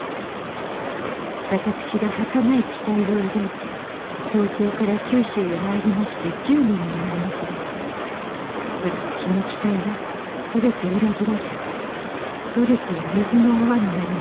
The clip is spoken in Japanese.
私がはかない期待を抱いて東京から九州へ参りまして１０年になりますが私の期待は全て裏切られ努力は水の泡になりました。